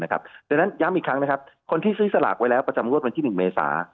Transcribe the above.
ดังนั้นย้ำอีกครั้งนะครับคนที่ซื้อสลากไว้แล้วประจำงวดวันที่๑เมษา